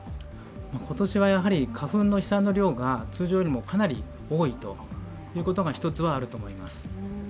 今年はやはり花粉の飛散の量が通常よりもかなり多いことが１つあると思います。